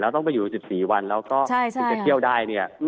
ต้องไปอยู่๑๔วันแล้วก็ถึงจะเที่ยวได้เนี่ย